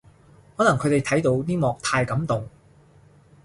可能佢哋睇到呢幕太感動